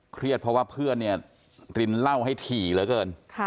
เครียดเพราะว่าเพื่อนเนี่ยรินเหล้าให้ถี่เหลือเกิน